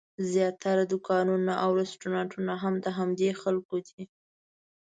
زیاتره دوکانونه او رسټورانټونه هم د همدې خلکو دي.